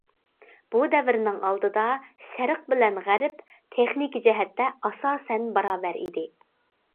بۇ دەۋرنىڭ ئالدىدا شەرق بىلەن غەرب تېخنىكا جەھەتتە ئاساسەن باراۋەر ئىدى.